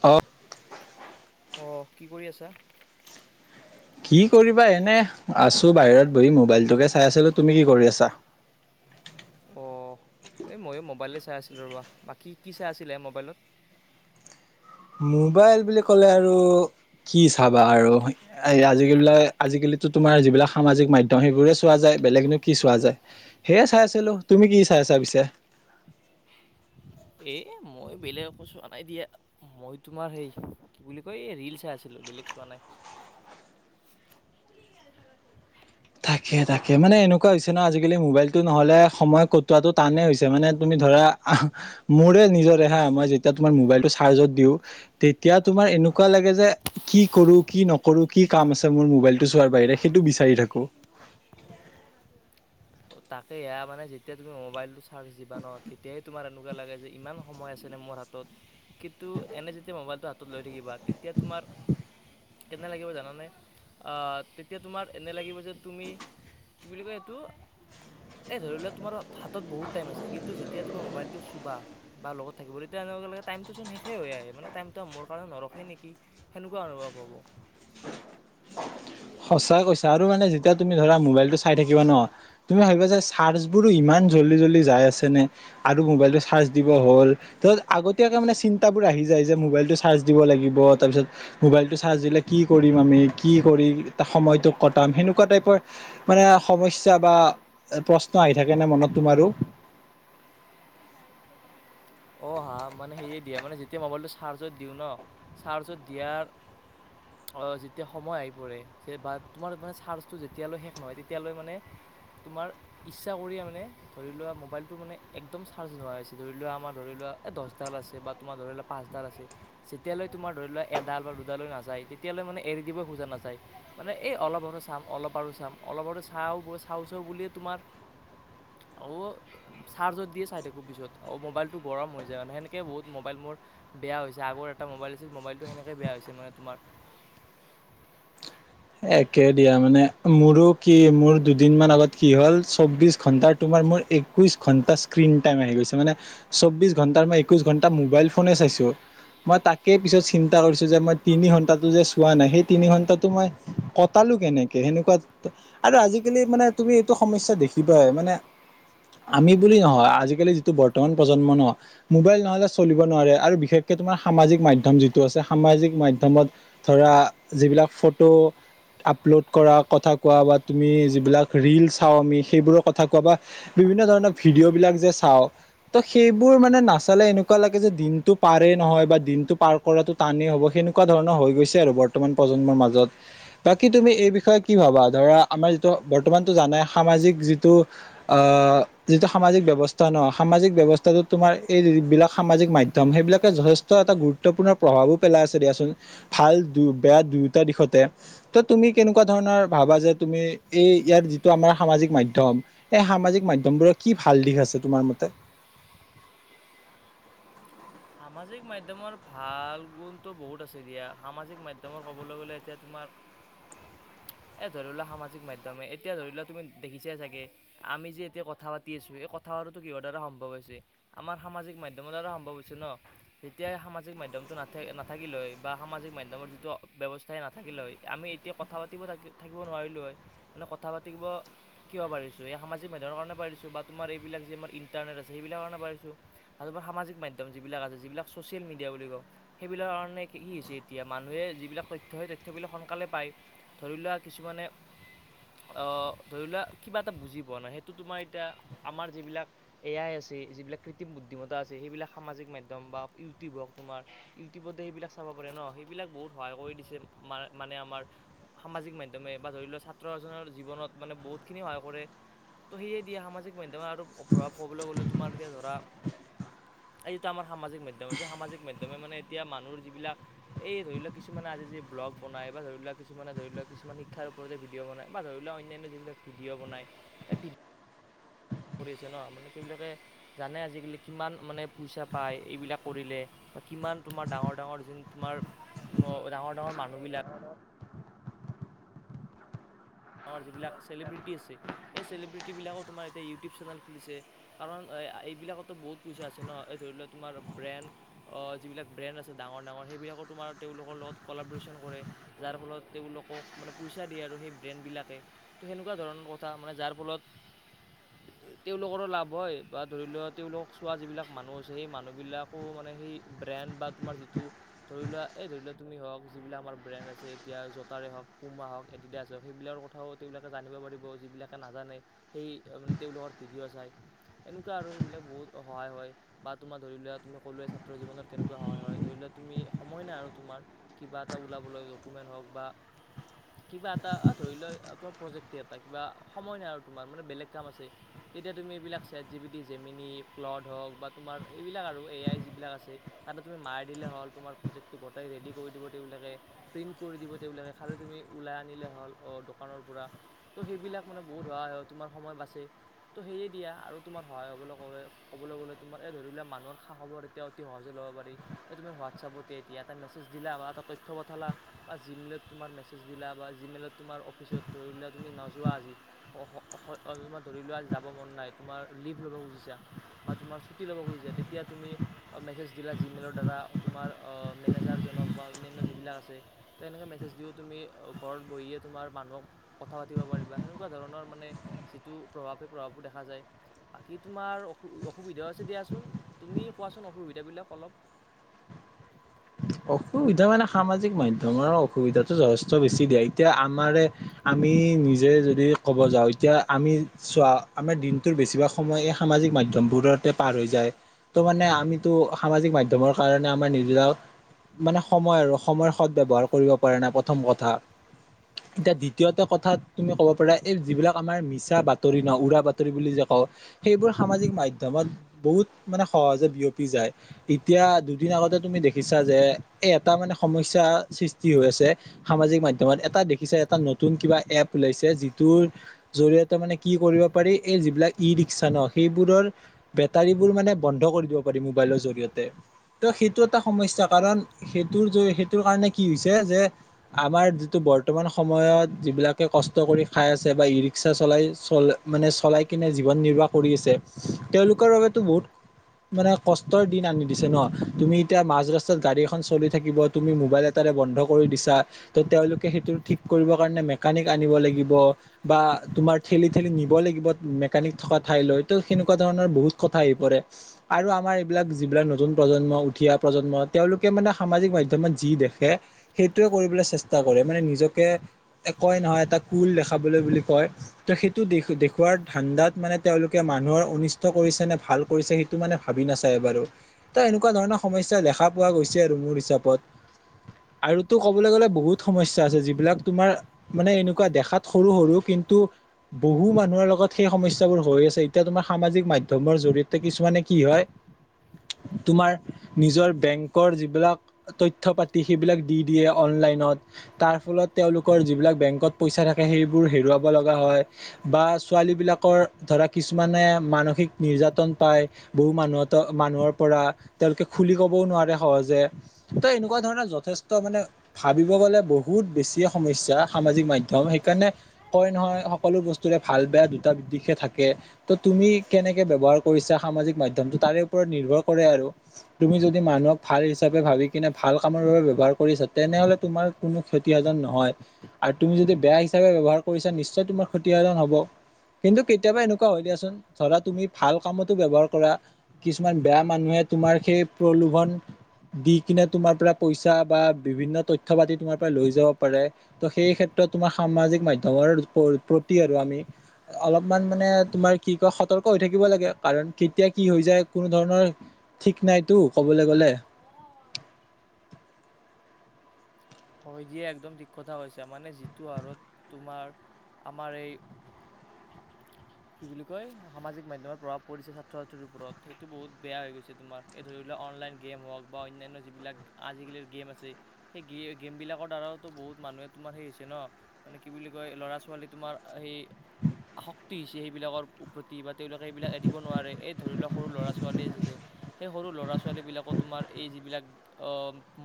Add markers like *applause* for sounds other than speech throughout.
অ' অঁ কি কৰি আছা? কি কৰিবা এনে আছো বাহিৰত বহি মোবাইলটোকে চাই আছিলো, তুমি কি কৰি আছা? *inaudible* অঁ এই ময়ো মোবাইলে চাই আছিলোঁ ৰ'বা, বাকী কি চাই আছিলে মোবাইলত? মোবাইল বুলি ক'লে আৰু কি চাবা আৰু, এই আজিকালি বিলাক আজিকালি তোমাৰ যিবিলাক সামাজিক মাধ্যম, সেইবোৰে চোৱা যায়। বেলেগন নো কি চোৱা যায়, সেয়ে চাই আছিলো, তুমি কি চাইছা পিছে? *unintelligible* এ মই বেলেগ একো চোৱা নাই দিয়া। মই তোমাৰ সেই কি বুলি কয়, এই ৰীল চাই আছিলো বেলেগ চোৱা নাই। *unintelligible* তাকে তাকে মানে এনেকুৱা হৈছে ন, আজিকালি মোবাইলতটো নহলে সময় কটোৱাটো টানে হৈছে, মানে তুমি ধৰা অহ, মোৰে নিজৰে হা মই যেতিয়া তোমাৰ মোবাইল টো চৰ্জত দিওঁ, তেতিয়া তোমাৰ এ এনেকুৱা লাগে যে কি কৰো, কি নকৰো, কি কাম আছে মোৰ মোবাইলটো চোৱাৰ বাহিৰে সেইটো বিচাৰি থাকো। তাকে য়া মানে যেতিয়া তুমি মোবাইল টো চাৰ্জ দিবা ন, তেতিয়া তোমাৰ এনেকুৱা লাগে যে ইমান সময় আছে নে মোৰ হাতত, কিন্তু এনে যেতিয়া মোবাইলটো হাতত লৈ থাকিবা তেতিয়া তোমাৰ কেনে লাগিব জানানে? অহ তেতিয়া তোমাৰ এনে লাগিব যে তুমি কি বুলি কয় এইটো উ এই ধৰি লোৱা তোমাৰ হাতত বহুত টাইম আছে, কিন্তু যেতিয়া তুমি মোবাইল টো চুবা বা লগত থাকিব, তেতিয়া এনে টাইমটো চোন শেষ হৈ আহে, মানে টাইম টো মোৰ কাৰণে নৰখে নেকি সেনেকুৱা অনুভৱ হ'ব। *unintelligible* সঁচাই কৈছা আৰু মানে যেতিয়া তুমি ধৰা মোবাইলটো চাই থাকিবা ন, তুমি ভাবিবা যে চাৰ্জবোৰো ইমান জল্ডি জল্ডি যায় আছে নে, আৰু মোবাইল টো চাৰ্জ দিব হ'ল, তো' আগতিয়াকে মানে চিন্তা বোৰ আহি সি যে আহি যে মোবাইলটো চাৰ্জ দিব লাগিব, তাৰপিছত মোবাইলটো চাৰ্জ দিলে কি কৰিম আমি, কি কৰিম- তাৰ সময়তো কটাম সেনেকুৱা টাইপৰ মানে সমস্যা বা প্ৰশ্ন আহি থাকে নে মনত নোৱাৰো অহ হা মানে সেয়ে দিয়া, মানে যেতিয়া মোবাইলটো চাৰ্জত দিওঁ ন চাৰ্জত দিয়াৰ- অহ যেতিয়া সময় আহি পৰে যে বা, তোমাৰ মে চাৰ্জটো যেতিয়ালৈ শেষ নহয় তেতিয়ালৈ মানে তোমাৰ ইচ্ছা কৰিয়ে মানে ধৰি লোৱা, মোবাইলটো মানে একদম চাৰ্জ নোহোৱা হৈছে ধৰি লোৱা আমাৰ ধৰি লোৱা এ দহডাল আছে বা তোমাৰ ধৰি লোৱা পাঁচডাল আছে, যেতিয়ালৈ তোমাৰ ধৰি লোৱা এডাল বা দুডালৈ নাযায়। তেতিয়ৈ মানে এৰি দিব খোজা নাযায়, মানে এই অলপ আৰু চাম অলপ আৰু চাম অলপ আৰু চাও চাও বুলিয়ে তোমাক, অল চৰ্জত দিয়ে চাই থাকো পিছত মোবাইল টো গৰম হৈ যায় মানে, সেনেকে বহুত মোবাইল মোৰ বেয়া হৈছে, আগৰ এটা মোবাইল আছিল, মোবাইলটো সেনেকৈ বেয়া হৈছে মানে তোমাৰ। *inaudible* একে দিয়া, মানে মোৰো কি মোৰ দুদিন মান আগত কি হ'ল, চৌবিশ ঘন্টাৰ তোমাৰ মোৰ একৈশ ঘণ্টা ইস্কন টাইম আহি গৈছে, মানে চৌবিশ ঘন্টা ৰ মই একৈশ ঘন্টা মই মোবাইল ফোনে চাইছো। মই তাকে পিছত চিন্তা কৰিছো, যে মই তিনি ঘন্টাটো যে চোৱা নাই, সেই তিনি ঘন্টাটো মই কটালো কেনেকে, সেনেকুৱা আৰু আজিকালি মানে তুমি এইটো সমস্যা দেখিবাই মানে আমি বুলি নহয়, আজিকালি যিটো বৰ্তমান প্ৰজন্ম ন মোবাইল নহ'লে চলিব নোৱাৰে, আৰু বিশেষক এ তোমাৰ সামাজিক মাধ্যম যিটো আছে, সামাজিক মাধমত ধৰা যিবিলাক ফটো আপলোড কৰা, কথা কোৱা, বা তুমি যিবিলাক ৰীল চাওঁ আমি সেইবোৰৰ কথা কোৱা বা বিভিন্ন ধৰণৰ ভিডিঅ' বিলাক যে চাওঁ ত' সেইবোৰ মানে নাচালে এনেকুৱা লাগে যে দিনটো পাৰ পাৰে নহয়, বা দিনটো পাৰ কৰাটো টানেই হ'ব, সেনেকুৱা ধৰণৰ হৈ গৈছে আৰু বৰ্তমান প্ৰজন্মৰ মাজত। বাকী তুমি এই বিষয়ে কি ভাবা ধৰা আমাৰ যিটো বৰ্তমানতো জানাই সামাজিক যিটো অহ যিটো সামাজিক ব্যৱস্থা ন, সামাজিক ব্যৱস্থাটো তোমাৰ এই বিলাক সামাজিক মাধ্যম সে সেইবিলাকে যথেষ্ট এটা গুৰুত্বপূৰ্ণ প্ৰভাৱো পেলাই আছে দিয়াচোন, ভাল দু বেয়া দুয়োটা দিশতে। তো' তুমি কেনেকুৱা ধৰণৰ ভাবা যে, তুমি এই ইয়াত যিটো আমাৰ সামাজিক মাধ্যম এই সামাজিক মাধ্যমবোৰ কি ভাল দিশ আছে তোমাৰ মতে সামাজিক মাধ্যমৰ ভাল গুণটো বহুত আছে দিয়া সামাজিক মাধ্যমৰ ক'বলৈ গ'লে এতিয়া তোমাৰ *unintelligible* এ ধৰি লোৱা সামাজিক মাধ্যমে এতিয়া ধৰি লোৱা তুমি দেখিছা চাগে আমি যে এতিয়া কথা পাতি আছো এই কথা কিহৰ দ্বাৰা সম্ভৱ হৈছে আমাৰ সামাজিক মাধ্যমৰ দ্বাৰা সম্ভৱ হৈছে সেইটো ন তেতিয়া সামাজিক মাধ্যমটো না নাথাকিলে বা সামাজিক মাধ্যমৰ যিটো ব্যৱস্থাই নাথাকে নাথাকিলে হয় আমি এতিয়া কথা পাতিব থাকিব নোৱাৰিলোঁ হয় মানে কথা পাতিব কিব পাৰিছোঁ সেই *unintelligible* সমাজিক মাধ্যমৰ কাৰণে পাৰিছো বা তোমাৰ এইবিলাকি আমাৰ যে ইণ্টাৰনেট আছে সেইবিলাকৰ কাৰণে পাৰিছোঁ বা তোমাৰ সমাজিক মাধ্যম *unintelligible* *unintelligible* একদম যিবিলাক আছে যিবিলাক ছ'চিয়েল মিডিয়া বুলি কওঁ সেইবিলাক কাৰণে কি হৈছে এতিয়া মানুহে যিবিলাক তথ্য *unintelligible* *unintelligible* তথ্যবিলাক সোনকালে পায় ধৰি লোৱা কিছুমানে *inaudible* আহ ধৰি লোৱা কিবা এটা বুজি পোৱা নাই সেইটো তোমাৰ এতিয়া আমাৰ যিবিলাক এ আই আছে *unintelligible* আছে যিবিলাক কৃত্ৰিম বুদ্ধিমতা আছে এইবিলাক *unintelligible* সামাজিক মাধ্যম বা ইউটিউব হওক তোমাৰ ইউটিউবতে সেইবিলাক চাব পাৰে ন সেইবিলাক বহুত সহায় কৰি দিছে। মানে আমাৰ সামাজিক মাধ্যমে বা ধৰি লোৱা ছাত্ৰ এজনৰ জীৱনত মানে বহুতখিনি সহায় কৰে। ত' সেয়ে দিয়ে সামাজিক মাধ্যমত আৰু প্ৰভাৱ কবলৈ গলে তোমাৰ এতিয়া ধৰা *unintelligible* আজিটো আমাৰ সামাজিক মাধ্যম আছে সামাজিক মাধ্যমে মানে এতিয়া মানুহৰ যিবিলাক এই ধৰি লওক কিছুমানে আজি যি *unintelligible* *unintelligible* ব্লগ বনাই বা ধৰি লওক কিছুমান ধৰি লওক কিছুমান শিক্ষাৰ ওপৰতে ভিডিঅ' বনাই বা ধৰি লওক অন্যান্য যিবিলাক ভিডিঅ' বনাই এ *unintelligible* *unintelligible* কাম কৰি আছে ন মানে সেইবিলাকে জানে আজিকালি কিমান মানে পইচা পায় এইবিলাক কৰিলে *unintelligible* বা কিমান তোমাৰ ডাঙৰ-ডাঙৰ যোন তোমাৰ ডাঙৰ-ডাঙৰ মানুহবিলাক *unintelligible* গাঁৱৰ যিবিলাক চেলিব্ৰিটি আছে সেই চেলিব্ৰিটিবিলাকো তোমাৰ এতিয়া ইউটিউব চেনেল খুলিছে কাৰণ এ *inaudible* এইবিলাকতো বহুত পইচা আছে ন এই ধৰি লও তোমাৰ ব্ৰেণ্ড অ যিবিলাক ব্ৰেণ্ড আছে ডাঙৰ-ডাঙৰ সেই *unintelligible* *unintelligible* তোমাৰ তেওঁলোকৰ লগত কলাব্ৰিচন কৰে যাৰ ফলত তেওঁলোক মানে প‌ইচা দিয়ে আৰু সেই ব্ৰেণ্টবিলাকে তো সেনেকুৱা ধৰণৰ কথা মানে যাৰ ফলত *unintelligible* *unintelligible* *inaudible* তেওঁলোকৰো লাভ হয় বা ধৰি লোৱা তেওঁলোকক চোৱা যিবিলাক মানুহ আছে সেই মানুহবিলাকো মানে সেই ব্ৰেণ্ড *unintelligible* ব্ৰেণ্ড বা তোমাৰ যিটো ধৰি লোৱা এ ধৰি লোৱা তুমি হ‌ওক যিবিলাক আমাৰ ব্ৰেণ্ড আছে এতিয়া জোতাৰে হ‌ওক পোমা *unintelligible* *unintelligible* বা হ‌ওক এদিডাচ *inaudible* সেইবিলাকৰ কথাও তেওঁলোকে জানিব পাৰিব যিবিলাকে নাজানে সেই মানে তেওঁলোকৰ ভিডিঅ' চাই *unintelligible* *unintelligible* এনেকুৱা আৰু সেইবিলাক বহুত সহায় হয় বা তোমাৰ ধৰি লোৱা তুমি ক'লোৱে ছাত্ৰৰ জীৱনত কেনেকুৱা সহায় হয় ধৰি লোৱা *unintelligible* *unintelligible* তুমি সময় নাই আৰু তোমাৰ কিবা এটা ওলাবলৈ ডকুমেণ্ট হ‌ওক বা কিবা *inaudible* এটা ধৰি লোৱা তোমাৰ প্ৰজেক্টেই এটা কিবা সময় নাই আৰু তোমাৰ মানে বেলেগ কাম আছে তেতিয়া তুমি এইবিলাক *unintelligible* *unintelligible* চেতজিপিটি, জেমিনি *unintelligible* হ‌ওক বা তোমাৰ এইবিলাক আৰু এআই যিবিলাক আছে তাতে তুমি মাৰি দিলে *unintelligible* হল তোমাৰ প্ৰজেক্টটো গোটেই ৰেডি কৰি দিব তেওঁলোকে, প্ৰিন্ট কৰি দিব তেওঁলোকে খালি তুমি ওলাই আনিলে *unintelligible* *unintelligible* অঁ দোকানৰ পৰা ত' সেইবিলাক মানে বহুত সহায় হ'ল তোমাৰ সময় বাচে তো সেয়ে দিয়া আৰু *unintelligible* আৰু তোমাৰ সহায় হব কবলৈ গলে তোমাৰ এই ধৰিলে মানুহৰ খা-খবৰ এতিয়া অতি সহজে ল'ব পাৰি তুমি *unintelligible* হোৱাটছএপতে এতিয়া এটা মেছেজ দিলা বা এটা তথ্য পঠালা বা জিমেইলত তোমাৰ মেছেজ দিলা বা জিমেইলত *unintelligible* তোমাৰ অফিচত ধৰি লোৱা তুমি নোযোৱা আজি, তোমাৰ ধৰি লোৱা আজি যাব মন নাই তোমাৰ *unintelligible* *unintelligible* লীভ ল'ব খুজিছা বা তোমাৰ ছুটী ল'ব খুজিছা তেতিয়া তুমি মেছেজ দিলা জিমেইলৰ দ্বাৰা তোমাৰ অ মেনেজাৰজনক বা অন্যান্য যিবিলাক আছে তো এনেকৈ মেছেজ দিওঁ তুমি ঘৰত বহিয়ে *unintelligible* তোমাৰ মানুহক কথা পাতিব পাৰিবা সেনেকুৱা ধৰণৰ মানে যিটো প্ৰভাৱ সেই প্ৰভাৱটো দেখা যায় *unintelligible* *inaudible* বাকী তোমাৰ অসু-অসুবিধাও আছে দিয়াচোন তুমি কোৱাচোন অসুবিধাবিলাক অলপ *unintelligible* *unintelligible* *inaudible* অসুবিধা মানে সামাজিক মাধ্যমৰ অসুবিধাটো যথেষ্ট বেছি দিয়া এতিয়া আমাৰে *unintelligible* *inaudible* আমি নিজে যদি ক'ব যাওঁ এতিয়া আমি চোৱা আমাৰ দিনটোৰ বেছিভাগ সময় এই সামাজিক মাধ্যম *unintelligible* মাধ্যমবোৰতে পাৰ হৈ যায় ত মানে আমিতো সামাজিক মাধ্যমৰ কাৰণে আমাৰ নিজেও *unintelligible* মানে সময় আৰু সময়ৰ সদব্যৱহাৰ কৰিব পৰা নাই প্ৰথম কথা। *unintelligible* *inaudible* এতিয়া দ্বিতীয়তে কথাত তুমি ক'ব পাৰা এই যিবিলাক আমাৰ মিছা বাতৰি ন উৰা বাতৰি বুলি যে ক *unintelligible* সেইবোৰ সামাজিক মাধ্যমত বহুত মানে সহজে বিয়পি যায় এতিয়া দুদিন *unintelligible* আগতে তুমি দেখিছা যে *unintelligible* এ এটা মানে সমস্যা সৃষ্টি হৈ আছে সামাজিক মাধ্যমত এটা দেখিছে এটা নতুন কিবা এ এপ ওলাইছে যিটোৰ জৰিয়তে মানে কি কৰিব পাৰি এই যিবিলাক ই ৰিক্সা ন সেইবোৰৰ বেটাৰীবোৰ মানে বন্ধ কৰি দিব পাৰি মোবাইলৰ জৰিয়তে ত' সেইটো এটা সমস্যা কাৰণ। সেইটোৰ সেইটোৰ কাৰণে কি হৈছে যে আমাৰ যিটো বৰ্তমান সময়ত যিবিলাকে কষ্ট কৰি খাই আছে বা ই ৰিক্সা চলাই চল মানে চলাই কিনে জীৱন নিৰ্বাহ কৰি আছে তেওঁলোকৰ বাবেতো বহুত। মানে কষ্টৰ দিন আনি দিছে ন তুমি এতিয়া মাজ ৰাস্তাত গাড়ী। চি থাকিব তুমি মোবাইল এটাৰে বন্ধ। তা তেওঁলোকে সেই ঠিক কৰিব কাৰ মেকানিক আনিব লাগিব বা তোমাৰ খঠেলি ঠেলি নিব লাগিব মেকানিক থকা ঠাইলৈ ত' সেনেকুৱা ধৰণৰ বহুত কথা আহি পৰে আৰু আমাৰ বিলাক যিবিলাক নতুন প্ৰজন্ম উঠিয়া প্ৰজন্ম তেওঁলোক। মে সাজিক মাধ্যমত যি দেখে সেইটোৱে কৰিবলৈ চেষ্টা কৰে মানে নিজকে নহয় এটা ক দেখাবলৈ বুলি কয় ত সেইটো দেখুৱাৰ ধান্দাত মানে তেওঁলোকে মানুহৰ কৰিছে নে ভাল কৰিছে সেইটো মানে ভাবি নাচায় এবাৰু ত এনেকুৱা ধৰণৰ সমস্যা দেখা পোৱা গৈছে। আৰু মোৰ হিচাপত আৰুতো ক'বলৈ গ'লে বহুত সমস্যা আছে যিবিলাক তোমাৰ মানে এনেকুৱা দেখাত সৰু সৰু কিন্তু কিন্তু বহু মানুহৰ লগত সেই সমস্যাবোৰ হৈ আছে এতিয়া তোমাৰ সামাজিক মাধ্যমৰ জৰিয়তে কিছুমানে কি হয়। তোমাৰ নিজৰ বেংক যিবিলাক তথ্য পাতি সেইবিলাক দি দিয়ে অনলাইনত তাৰ ফলত তেওঁলোকৰ যিবিলাক বেংকত পইচা থাকে সেইবোৰ হেৰুৱাব লগা হয় বা ছোৱালী বিলাকৰ ধৰা কিছুমানে মানসিক নিৰ্যাতন পাই বহু মানুহ মানুহৰ পৰা তেওঁলোকে খুলি ক'বও নোৱাৰে। সহজে ত এনেকুৱা ধৰণৰ যথেষ্ট মানে ভাবিব গ'লে বহুত বেছিয় সমস্যা। সামাজিক মাধ্যম সেইকাৰণে। কয় নহয় সকলো বস্তুৰে ভাল বেয়া দুটা দিশে থাকে ত তুমি কেনেকে ব্যৱহাৰ কৰিছা। সামাজিক মাধ্যম তাৰে ওপৰত নিৰ্ভৰ কৰে আৰু তুমি যদি মানুহক। ভাল হিচাপে ভাবি কিনে ভাল কামৰ বাবে ব্যৱহাৰ কৰিছে তেনেহলে তোমাৰ কোনো ক্ষসন নহয় আৰু তুমি যদি বেয়া হিচাপে ব্যৱহাৰ কৰিছা নিশ্চয় তোমাৰ ক্ষতিসাধন হব। কিন্তু কেতিয়াবা এনেকুৱা হয় দিয়াচোন ধৰা তুমি ভাল কামতো ব্যৱহাৰ কৰা কিছুমান বেয়া মানুহে তোমাৰ সেই প্ৰলোভন দি কিনে তোমাৰ পৰা পইচা বা বিভিন্ন তথ্য পাতি তোমাৰ পৰা লৈ যাব পাৰে ত' সেই। ক্ষেত্ৰত তোমাৰ সামাজিক মাধ্যমৰ প্ৰতি আৰু আমি অলপমান মানে তোমাৰ। কি কয় সতৰ্ক হৈ থাকিব লাগে কাৰণ কেতিয়া কি হৈ যায় কোনো ধৰণৰ ঠিক নাইতো কবলৈ গ'লে। হয় দিয়ে একদম ঠিক কথা হৈছে মানে যিটো হাৰত তোমাৰ আমাৰ এই *inaudible* কি বুলি কয় সামাজিক মাধ্যমত প্ৰভাৱ পৰিছে ছাত্ৰ ছাত্ৰীৰ ওপৰত সেইটো বহুত বেয়া হৈ গৈছে তোমাৰ এই ধৰি লোৱা। *unintelligible* অনলাইন গেম হওক বা অন্যান্য যিবিলাক আজিকালিৰ গেম আছে সেই গে গেমবিলাকৰ দ্বাৰাওতো বহুত মানুহে তোমাৰ সেই হৈছে ন মানে কি বুলি কয় ল'ৰা ছোৱালী তোমাৰ সেই আসক্তি আহিছে সেইবিলাকৰ প্ৰতি বা তেওঁলোকে সেইবিলাক এৰিব নোৱাৰে এই ধৰি লওক সৰু ল'ৰা ছোৱালী আ যে সেই সৰু ল'ৰা ছোৱালী বিলাকো তোমাৰ এই যিবিলাক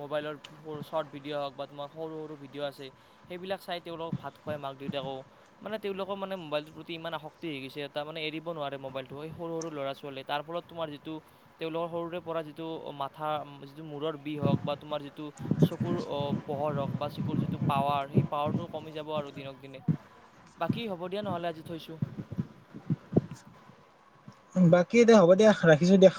মোবাইলৰ। ভিডিঅ' হওক বা তোমাৰ সৰু সৰু ভিডিঅ' আছে সেইবিলাক চাই তেওঁলক ভাত খুৱাই মাক দেউতাকো মানে তেওঁলোক। মানে মোবাইলটোৰ প্ৰতি ইমান আসক্তিকিছে এ মান এৰিব নোৱাৰে মোবাইলটো সৰু সৰু ল'ৰা ছোৱালীয়ে তাৰ ফলত তোমাৰ যিটো। তেওঁলোকৰ সৰুৰে পৰা যিটো মাথা যিটো মূৰৰ বিষ হওঁক বা তোমাৰ যিটো। চকুৰ পোহৰ হক বা চিকুৰ যিটো পাৱাৰ সেই পাৱাৰটো কমি যাব আৰু দিনক দিনে। বাকী হ'ব দিয়া নহ'লে আজি থৈছোঁ। *inaudible* বাকী দে হ'ব দিয়া ৰাখিছো দিয়।